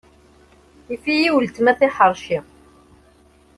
Tifɣ-iyi weltma tiḥerci.